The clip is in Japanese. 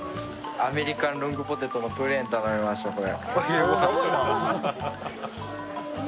アメリカンロングポテトのプレーン頼みました、これ。